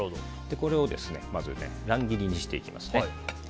これをまず乱切りにしていきます。